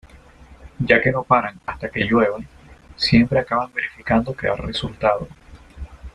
Ya que no paran hasta que llueva, siempre acaban verificando que da resultado.